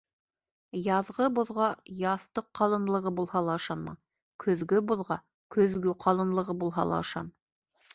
Яҙғы боҙға яҫтыҡ ҡалынлығы булһа ла ышанма, көҙгө боҙға көҙгө ҡалынлығы булһа ла ышан.